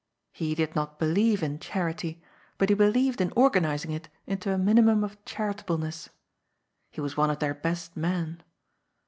He did not believe in charity, but he believed in organizing it into a minimum of charitableness. He was one of their best men.